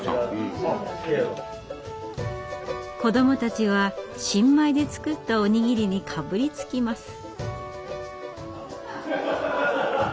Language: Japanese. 子どもたちは新米で作ったお握りにかぶりつきます。